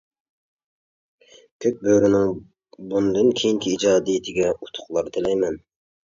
كۆك بۆرىنىڭ بۇندىن كېيىنكى ئىجادىيىتىگە ئۇتۇقلار تىلەيمەن.